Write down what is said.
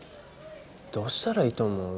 どうしたらいいと思う？